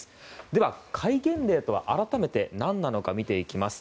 では、戒厳令とは改めて何なのか見ていきます。